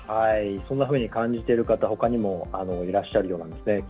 そんなふうに感じている方ほかにもいらっしゃるようですね。